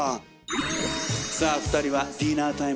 さあ２人はディナータイムだ。